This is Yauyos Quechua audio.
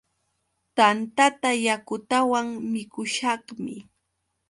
Tantata yakutawan mikushaqmi.